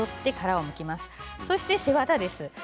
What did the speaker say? そして背わたです。